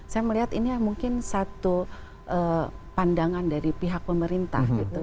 saya melihat ini mungkin satu pandangan dari pihak pemerintah gitu